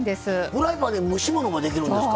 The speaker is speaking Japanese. フライパンで蒸し物もできるんですか？